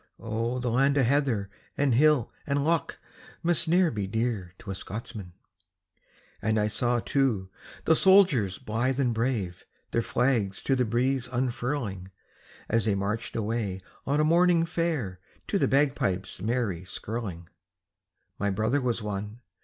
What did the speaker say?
Oh, the land o' heather and hill and loch Must e'en be dear to a Scotchman. And I saw, too, the soldiers blithe and brave Their flag to the breeze unfurling, As they marched away on a morning fair To the bagpipes' merry skirling. My brother was one.